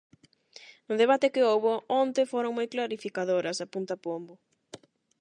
"No debate que houbo onte foron moi clarificadoras", apunta Pombo.